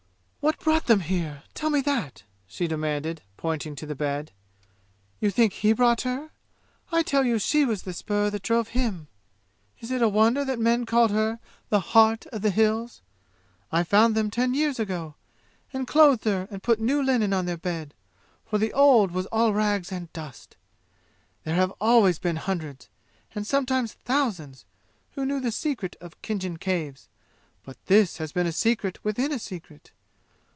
"What brought them here? Tell me that!" she demanded, pointing to the bed. "You think he brought, her? I tell you she was the spur that drove him! Is it a wonder that men called her the 'Heart of the Hills'? I found them ten years ago and clothed her and put new linen on their bed, for the old was all rags and dust. There have always been hundreds and sometimes thousands who knew the secret of Khinjan Caves, but this has been a secret within a secret.